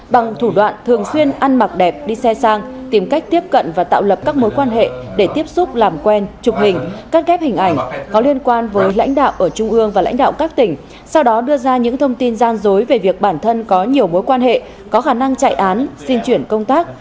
bằng thủ đoạn thường xuyên ăn mặc đẹp đi xe sang tìm cách tiếp cận và tạo lập các mối quan hệ để tiếp xúc làm quen chụp hình cắt ghép hình ảnh có liên quan với lãnh đạo ở trung ương và lãnh đạo các tỉnh sau đó đưa ra những thông tin gian dối về việc bản thân có nhiều mối quan hệ có khả năng chạy án xin chuyển công tác